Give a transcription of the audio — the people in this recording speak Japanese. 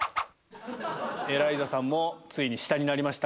エライザさんもついに下になりました。